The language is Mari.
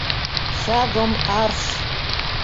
Шагом арш!